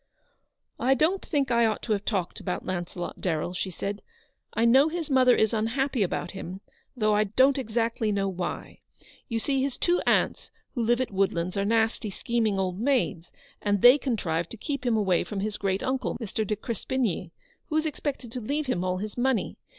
" I don't think I ought to have talked about Launcelot Darrell," she said ;" I know his mother is unhappy about him, though I don't exactly know why. You see his two aunts who live at Woodlands are nasty, scheming old maids, and they contrived to keep him away from his great uncle, Mr. de Crespigny, who is expected to leave him all his money.